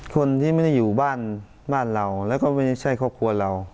คนที่ไม่ได้อยู่บ้านบ้านเราแล้วก็ไม่ใช่ครอบครัวเรา